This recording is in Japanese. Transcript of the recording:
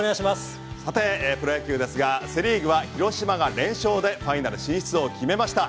さてプロ野球ですがセ・リーグは広島が連勝でファイナル進出を決めました。